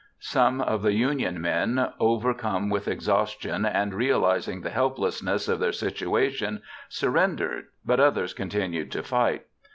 Some of the Union men, overcome with exhaustion and realizing the helplessness of their situation, surrendered; but others continued to fight.